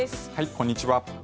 こんにちは。